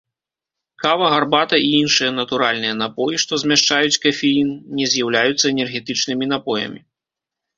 Кава, гарбата і іншыя натуральныя напоі, што змяшчаюць кафеін, не з'яўляюцца энергетычнымі напоямі.